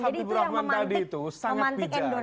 jadi itu yang memantik endorsement